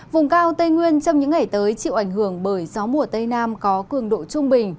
vùng cao tây nguyên trong những ngày tới chịu ảnh hưởng bởi gió mùa tây nam có cường độ trung bình